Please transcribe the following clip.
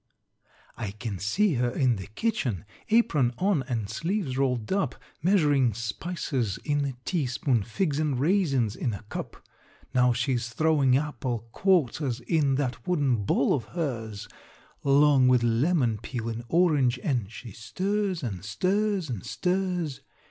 I can see her in the kitchen, Apron on and sleeves rolled up, Measurin' spices in a teaspoon, Figs and raisins in a cup. Now she's throwin' apple quarters In that wooden bowl of hers, 'Long with lemon peel and orange, An' she stirs, an' stirs, an' stirs.